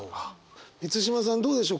満島さんどうでしょう？